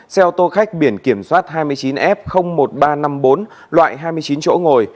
xe ô tô khách biển kiểm soát hai mươi chín f một nghìn ba trăm năm mươi bốn loại hai mươi chín chỗ ngồi